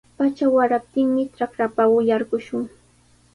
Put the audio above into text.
Pacha waraptinmi trakrapa yarqushun.